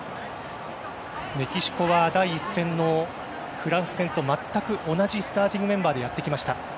メキシコが第１戦のフランス戦と全く同じスターティングメンバーでやってきました。